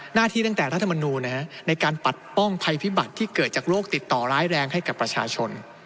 หน้าที่ตั้งแต่รัฐมนูลในการปัดป้องภัยพิบัติที่เกิดจากโรคติดต่อร้ายแรงให้กับประชาชน